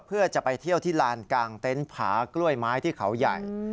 เพื่อจะไปเที่ยวที่ลานกลางเต็นต์ผากล้วยไม้ที่เขาใหญ่